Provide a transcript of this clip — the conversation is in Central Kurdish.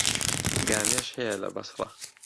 گامێش هەیە لە بەسڕە.